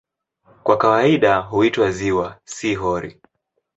Kwa kawaida huitwa "ziwa", si "hori".